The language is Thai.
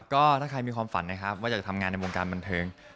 ก็ถ้าใครมีความฝันนะครับว่าอยากทำงานในวงการบันเทิง